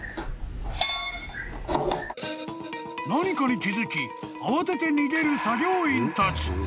［何かに気付き慌てて逃げる作業員たち］